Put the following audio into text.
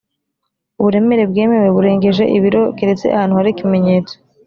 uburemere bwemewe burengeje ibiro keretse ahantu hari ikimenyetso